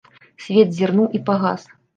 Свет зірнуў і пагас.